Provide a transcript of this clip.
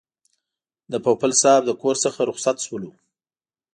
د پوپل صاحب د کور څخه رخصت شولو.